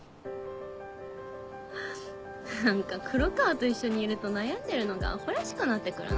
何か黒川と一緒にいると悩んでるのがアホらしくなって来るな。